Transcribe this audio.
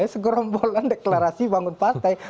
segerombolan deklarasi bangun partai